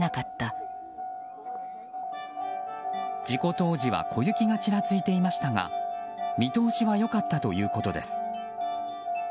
事故当時は小雪がちらついていましたが見通しは良かったということです。